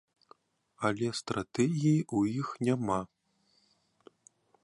Але стратэгіі ў іх няма!